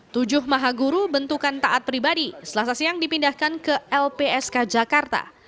tujuh maha guru bentukan taat pribadi selasa siang dipindahkan ke lpsk jakarta